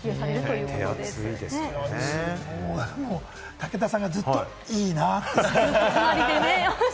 武田さんがずっと、いいなって。